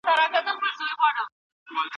نه یوه چېغه مستانه سته زه به چیري ځمه